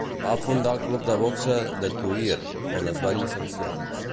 Va fundar el club de boxa de Tuïr on es va llicenciar.